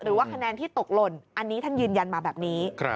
หรือว่าคะแนนที่ตกหล่นอันนี้ท่านยืนยันมาแบบนี้